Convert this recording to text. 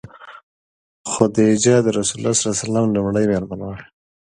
خدیجه د رسول الله ﷺ لومړنۍ مېرمن وه.